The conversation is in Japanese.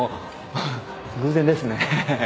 偶然ですね。